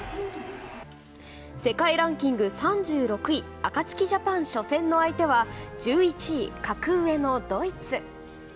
世界ランキング３６位アカツキジャパン初戦の相手は１１位、格上のドイツ。